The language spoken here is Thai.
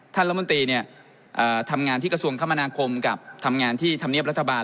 รัฐมนตรีทำงานที่กระทรวงคมนาคมกับทำงานที่ธรรมเนียบรัฐบาล